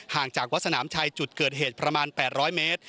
จากวัดสนามชัยจุดเกิดเหตุประมาณ๘๐๐เมตร